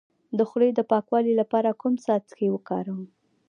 د خولې د پاکوالي لپاره کوم څاڅکي وکاروم؟